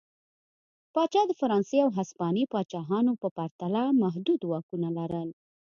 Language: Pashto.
پاچا د فرانسې او هسپانیې پاچاهانو په پرتله محدود واکونه لرل.